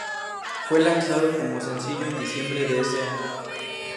Fue lanzado como sencillo en diciembre de ese año.